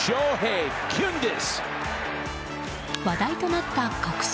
話題となった確信